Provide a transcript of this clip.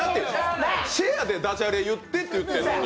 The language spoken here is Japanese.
シェアでだじゃれ言ってって言ってんのに。